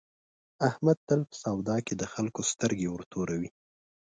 احمد تل په سودا کې د خلکو سترګې ورتوروي.